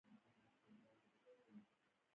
او نه شې کولای چې زما په نصیحتونو عمل وکړې.